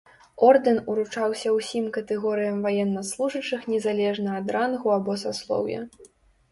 Ордэн уручаўся ўсім катэгорыям ваеннаслужачых незалежна ад рангу або саслоўя.